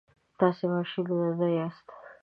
تاسي ماشینونه نه یاست.